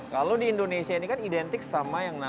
kalau di indonesia ini kan identik sama yang namanya